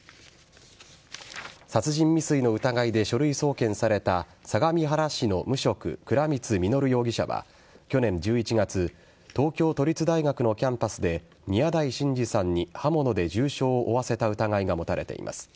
殺人未遂の疑いで書類送検された相模原市の無職倉光実容疑者は去年１１月東京都立大学のキャンパスで宮台真司さんに刃物で重傷を負わせた疑いが持たれています。